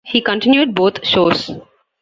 He continued both shows.